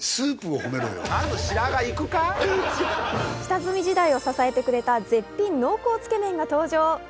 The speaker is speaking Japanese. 下積み時代を支えてくれた絶品濃厚つけ麺が登場。